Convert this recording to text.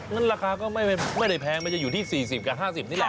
ราคาก็ไม่ได้แพงมันจะอยู่ที่๔๐กับ๕๐นี่แหละ